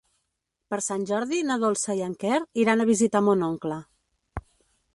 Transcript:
Per Sant Jordi na Dolça i en Quer iran a visitar mon oncle.